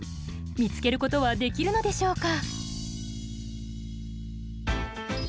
見つけることはできるのでしょうか？